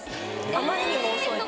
あまりにも遅いと。